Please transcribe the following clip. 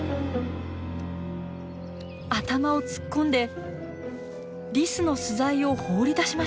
頭を突っ込んでリスの巣材を放り出しました。